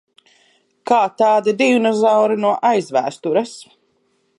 Kā tādi dinozauri no aizvēstures.